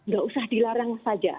gak usah dilarang saja